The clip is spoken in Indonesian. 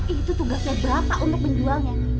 itu tugasnya berapa untuk menjualnya